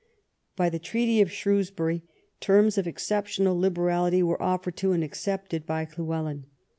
By the Treaty of Shrewsbury terms of exceptional liberality were offered to, and accepted by Llywelyn.